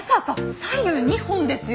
左右２本ですよ。